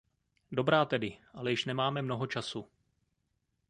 Dobrá tedy, ale již nemáme mnoho času.